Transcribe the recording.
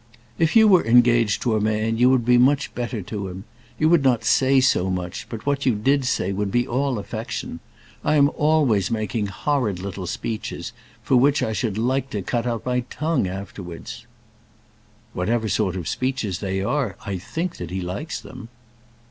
"If you were engaged to a man you would be much better to him. You would not say so much, but what you did say would be all affection. I am always making horrid little speeches, for which I should like to cut out my tongue afterwards." "Whatever sort of speeches they are, I think that he likes them."